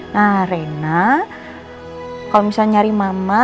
nah reina kalau misalnya nyari mama